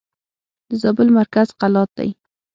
د زابل مرکز قلات دئ.